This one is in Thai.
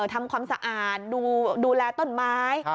ทำความสะอาดดูแลต้นไม้